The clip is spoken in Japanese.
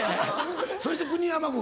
そして国山君。